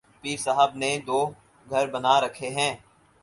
پیر صاحب نے دوگھر بنا رکھے ہیں۔